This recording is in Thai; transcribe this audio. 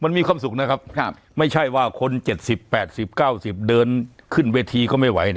มันมีความสุขนะครับไม่ใช่ว่าคน๗๐๘๐๙๐เดินขึ้นเวทีก็ไม่ไหว